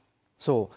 そう。